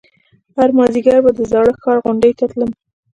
هر مازديگر به د زاړه ښار غونډۍ ته تلم.